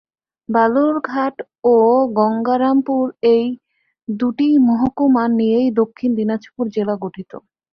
বালুরঘাট ও গঙ্গারামপুর এই দুই মহকুমা নিয়ে দক্ষিণ দিনাজপুর জেলা গঠিত।